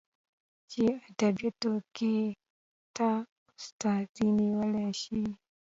چې ادبياتو کې ته استادي نيولى شې.